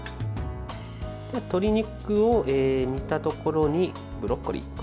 鶏肉を煮たところにブロッコリー。